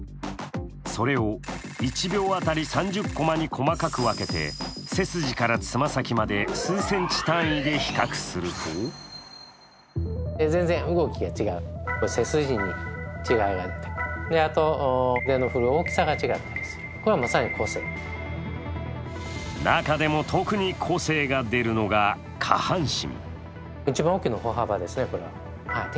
それを１秒当たり３０コマに細かく分けて背筋から爪先まで数センチ単位で比較すると中でも特に個性が出るのが下半身。